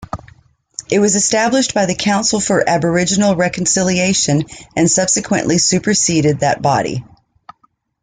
It was established by the Council for Aboriginal Reconciliation and subsequently superseded that body.